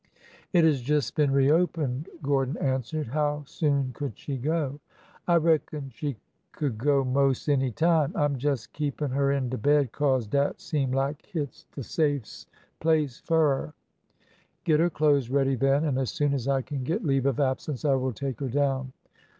" It has just been reopened," Gordon answered. How soon could she go ?"'' I reckon she could go mos' any time. I 'm jes' keepin' her in de bed 'cause dat seem lak hit 's de safes' place fur 'er." '' Get her clothes ready, then, and as soon as I can get leave of absence I will take her down."